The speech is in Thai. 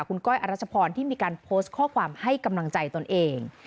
คุณก้อยอรัชพรที่มีการโพสต์ข้อความให้กำลังใจตนเอง